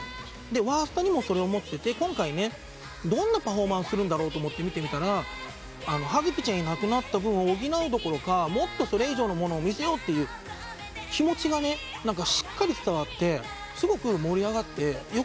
わーすたにもそれ思ってて今回どんなパフォーマンスするんだろと思って見てみたら葉月ちゃんいなくなった分を補うどころかもっとそれ以上のものを見せようという気持ちがしっかり伝わってすごく盛り上がってよかった。